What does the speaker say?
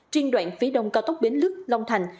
triên đoạn phía đông cao tốc biến lước long thành